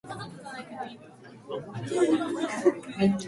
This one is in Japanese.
雨の音って落ち着くよね。